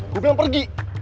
gue bilang pergi